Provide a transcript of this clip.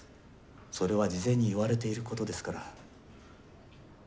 それは事前に言われていることですから。